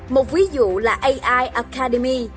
một ví dụ là ai academy